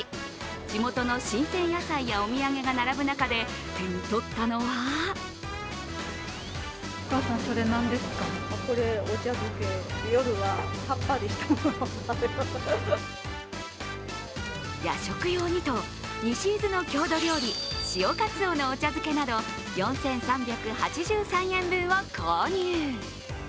地元の新鮮野菜やお土産が並ぶ中で手にとったのは夜食用にと、西伊豆の郷土料理塩かつおのお茶漬けなど４３８３円分を購入。